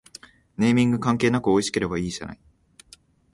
ネーミング関係なくおいしければいいじゃない